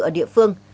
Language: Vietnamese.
ở địa phương